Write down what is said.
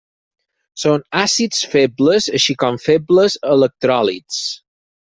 Són àcids febles, així com febles electròlits.